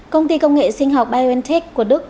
công ty công nghệ sinh học biontech của đức